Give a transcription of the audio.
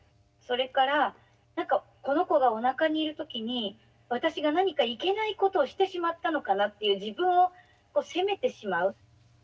それから「この子がおなかにいる時に私が何かいけないことをしてしまったのかな」っていう自分を責めてしまう。